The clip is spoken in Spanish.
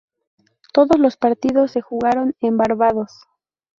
Todos los partidos se jugaron en Barbados.